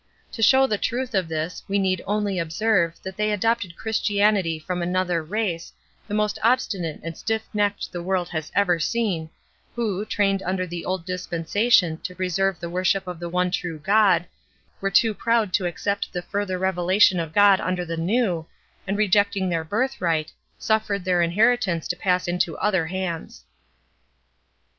To show the truth of this, we need only observe, that they adopted Christianity from another race, the most obstinate and stiff necked the world has ever seen, who, trained under the Old Dispensation to preserve the worship of the one true God, were too proud to accept the further revelation of God under the New, and, rejecting their birth right, suffered their inheritance to pass into other hands.